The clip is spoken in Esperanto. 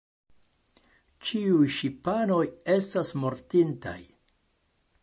Ĉiuj ŝipanoj estas mortintaj.